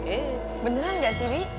eh beneran gak sih